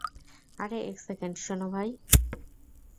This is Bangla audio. আরে এক সেকেন্ড, শোনো ভাই।